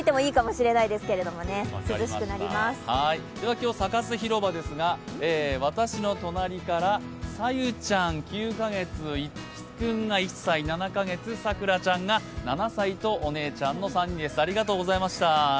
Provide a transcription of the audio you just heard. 今日、サカス広場ですが、私の隣からさゆちゃん９か月、いつき君が１歳７か月、さくらちゃんが７歳と、お姉ちゃんの３人です、ありがとうございました。